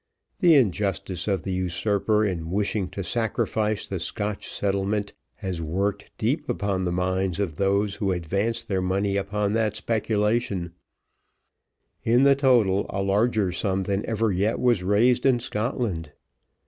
The injustice of the usurper in wishing to sacrifice the Scotch Settlement, has worked deep upon the minds of those who advanced their money upon that speculation in the total, a larger sum than ever yet was raised in Scotland.